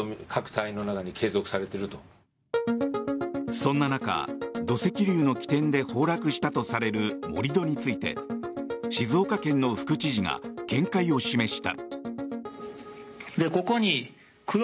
そんな中、土石流の起点で崩落したとされる盛り土について静岡県の副知事が見解を示した。